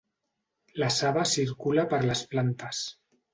La saba circula per les plantes.